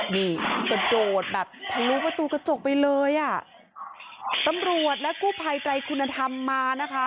นี่กระโดดแบบทะลุประตูกระจกไปเลยอ่ะตำรวจและกู้ภัยไตรคุณธรรมมานะคะ